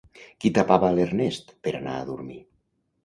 Qui tapava a l'Ernest per anar a dormir?